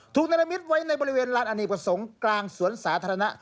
นรมิตไว้ในบริเวณลานอเนกประสงค์กลางสวนสาธารณะ